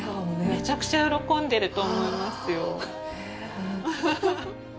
めちゃくちゃ喜んでると思いますよ。